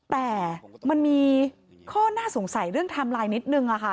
แต่มันมีข้อน่าสงสัยเรื่องไทม์ไลน์นิดนึงค่ะ